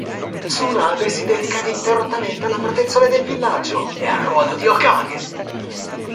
Tsunade si dedica ininterrottamente alla protezione del villaggio e al ruolo di Hokage.